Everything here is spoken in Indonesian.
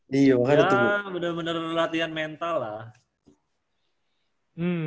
bener bener latihan mental lah